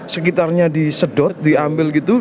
sekitarnya disedot diambil gitu